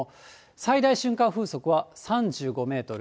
最大瞬間風速は３５メートル。